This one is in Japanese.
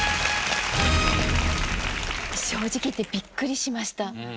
正直言ってビックリしました。